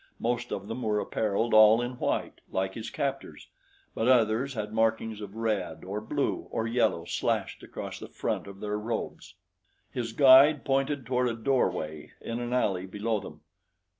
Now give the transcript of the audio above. Most of them were appareled all in white, like his captors; but others had markings of red or blue or yellow slashed across the front of their robes. His guide pointed toward a doorway in an alley below them.